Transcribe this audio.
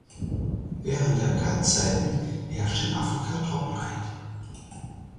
Während der Kaltzeiten herrscht in Afrika Trockenheit.